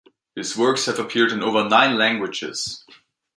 His works have appeared in over nine languages.